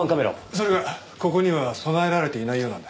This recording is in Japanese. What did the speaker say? それがここには備えられていないようなんだ。